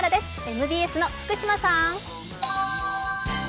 ＭＢＳの福島さん。